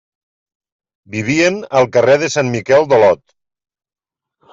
Vivien al carrer de Sant Miquel d'Olot.